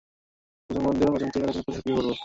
মুসলমানদের অজান্তে তাদের উপর ঝাঁপিয়ে পড়ব।